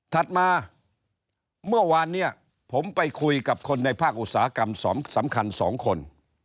ถัดมาเมื่อวานเนี่ยผมไปคุยกับคนในภาคอุตสาหกรรมสำคัญ๒คน